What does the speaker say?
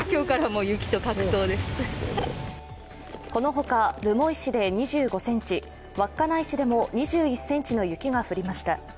このほか、留萌市で２５ｃｍ、稚内市でも２１ｃｍの雪が降りました。